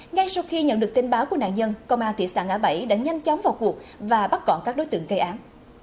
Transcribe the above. ngay sau khi nhận được tin báo của nạn nhân công an thị xã ngã bảy đã nhanh chóng vào cuộc và bắt gọn các đối tượng gây án